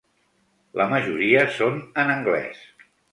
La majoria són en anglès.